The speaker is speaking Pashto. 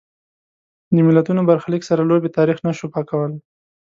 د ملتونو برخلیک سره لوبې تاریخ نه شو پاکولای.